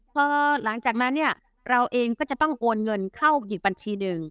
พอหลังจากนั้นเนี่ยเราเองก็จะต้องโอนเงินเข้าอีกบัญชีหนึ่ง